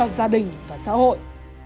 sống có ích cho gia đình và xã hội